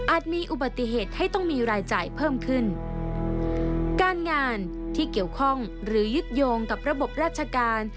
มีอุบัติเหตุให้ต้องมีรายจ่ายเพิ่มขึ้นการงานที่เกี่ยวข้องหรือยึดโยงกับระบบราชการ